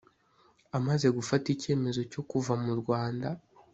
Amaze gufata icyemezo cyo kuva mu Rwanda